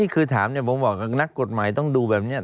คือถามผมบอกนักกฎหมายต้องดูแบบนี้